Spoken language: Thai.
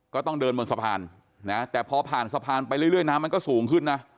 ก็ต้องเดินบนสะพานนะแต่พอผ่านสะพานไปเรื่อยน้ำมันก็สูงขึ้นนะ